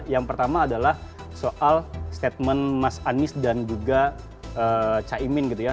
yang pertama adalah soal statement mas anies dan juga caimin gitu ya